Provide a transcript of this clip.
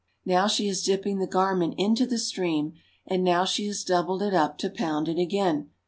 Now she is dip ping the garment into the stream, and now she has doubled it up to pound it again.